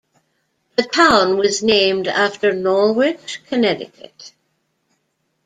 The town was named after Norwich, Connecticut.